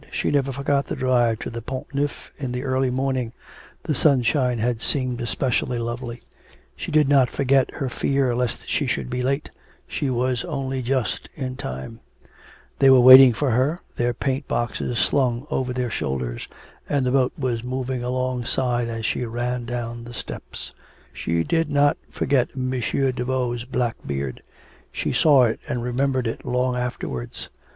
She never forgot the drive to the Pont Neuf in the early morning, the sunshine had seemed especially lovely; she did not forget her fear lest she should be late she was only just in time; they were waiting for her, their paint boxes slung over their shoulders, and the boat was moving alongside as she ran down the steps. She did not forget M. Daveau's black beard; she saw it and remembered it long afterwards.